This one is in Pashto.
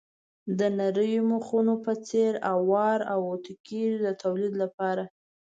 د نریو مخونو په څېر اوار او اتو کېږي د تولید لپاره.